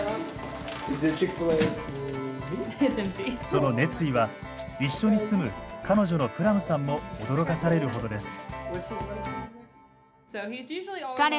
その熱意は一緒に住む彼女のプラムさんも驚かされるほどです。